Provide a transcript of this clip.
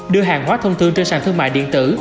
đưa hàng hóa thông thương trên sàn thương mại điện tử